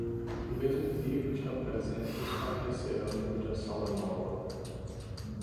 O mesmo tipo está presente nos painéis cerâmicos da Sala Nova.